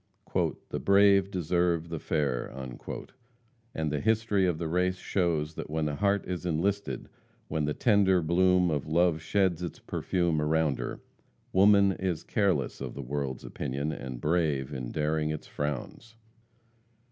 "The brave deserve the fair," and the history of the race shows that when the heart is enlisted, when the tender bloom of love sheds its perfume around her, woman is careless of the world's opinion, and brave in daring its frowns.